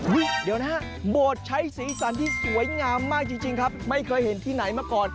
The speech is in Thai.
เดี๋ยวนะฮะโบสถ์ใช้สีสันที่สวยงามมากจริงครับไม่เคยเห็นที่ไหนมาก่อน